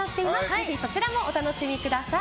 ぜひそちらもお楽しみください。